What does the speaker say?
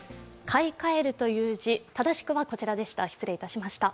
買い替えるという字、正しくはこちらでした。